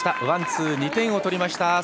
ワン、ツー２点を取りました。